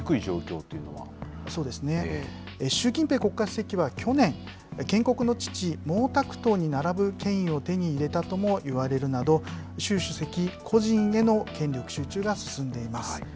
そうですね、習近平国家主席は去年、建国の父、毛沢東に並ぶ権威を手に入れたともいわれてるなど、習主席個人への権力集中が進んでいます。